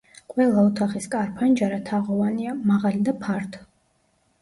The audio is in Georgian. ყველა ოთახის კარ-ფანჯარა თაღოვანია, მაღალი და ფართო.